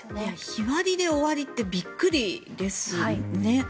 日割りで終わりってびっくりですよね。